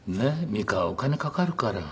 美川はお金かかるから。